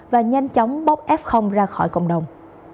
và nhanh chóng bóp f ra khỏi cộng đồng